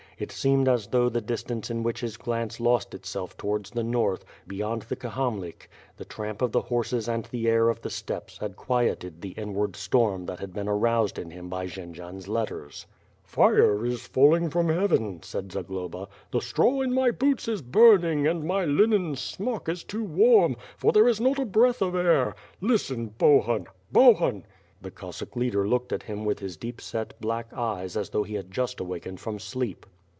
It seemed as though the distance in which his glance lost itself towards the north, beyond the Kamhalik, the tramp of the horses and the air of the steppes had quieted the inward storm that had been aroused in him by Jandzian's letters. ^Fire is falling from heaven," said Zagloba. "The straw in my boots is burning, and my linen smock is too warm, for there is not a breath of air. Listen, Bohun, Bohun!" The Cossack leader looked at him with his deep set, blaclt; eyes as though he had just awakened from sleep.